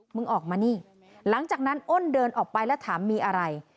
มึงออกมานี่หลังจากนั้นอ้นเดินออกไปแล้วถามมีอะไร